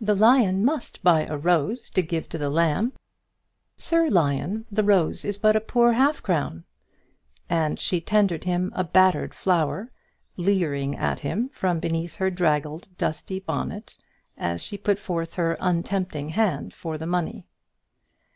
"The lion must buy a rose to give to the lamb. Sir Lion, the rose is but a poor half crown." And she tendered him a battered flower, leering at him from beneath her draggled, dusty bonnet as she put forth her untempting hand for the money.